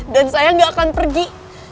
dan saya gak akan pergi